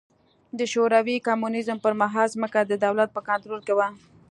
د شوروي کمونېزم پر مهال ځمکه د دولت په کنټرول کې وه.